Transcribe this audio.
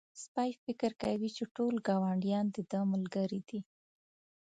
سپی فکر کوي چې ټول ګاونډيان د ده ملګري دي.